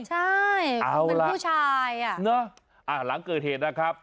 ใช่คุณเป็นผู้ชายอะเอาละเนอะหลังเกิดเหตุนะครับ